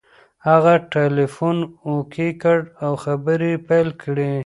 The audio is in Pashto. هغه ټلیفون اوکې کړ او خبرې یې پیل کړې.